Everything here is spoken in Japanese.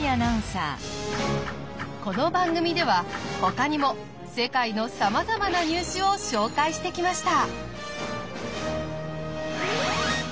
この番組ではほかにも世界のさまざまな入試を紹介してきました。